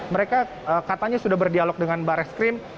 mereka katanya sudah berdialog dengan barreskrim